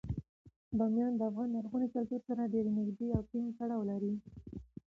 بامیان د افغان لرغوني کلتور سره ډیر نږدې او ټینګ تړاو لري.